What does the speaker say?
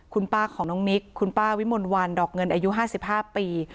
คุณป้าของน้องนิกคุณป้าวิมลวันดอกเงินอายุ๕๕ปี